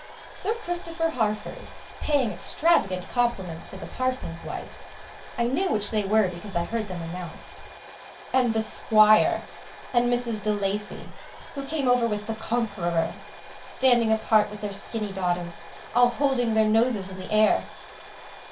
Sir Christopher Harford paying extravagant compliments to the parson's wife (I knew which they were because I heard them announced), and the "Squire" and Mrs. de Lacy who came over with the Conqueror standing apart with their skinny daughters, all holding their noses in the air.